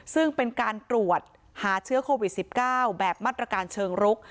ซึ่งเป็นการตรวจหาเชื้อโควิด๑๙แบบมาตรการเชิงรุก